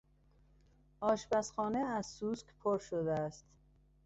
آشپزخانه از سوسک پر شده است.